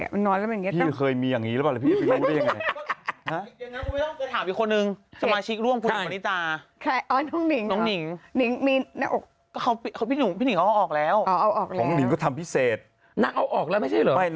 ไม่แต่อย่างพี่ผัดเราแค่ฉีดเนอะ